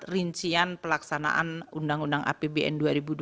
rincian pelaksanaan undang undang apbn dua ribu dua puluh